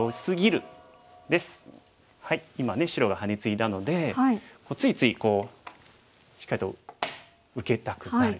今ね白がハネツイだのでついついしっかりと受けたくなる。